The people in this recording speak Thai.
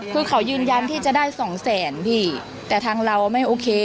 คือเขายืนยันที่จะได้สองแสนพี่แต่ทางเราไม่โอเค